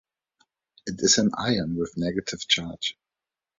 It is an ion with negative charge.